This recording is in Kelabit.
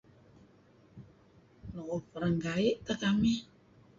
Mu'uh perenggai' teh kamih.